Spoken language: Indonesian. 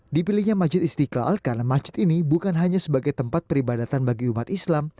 dipilihnya masjid istiqlal karena masjid ini bukan hanya sebagai tempat peribadatan bagi umat islam